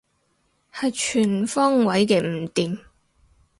係全方位嘅唔掂